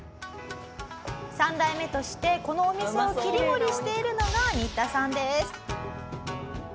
三代目としてこのお店を切り盛りしているのがニッタさんです。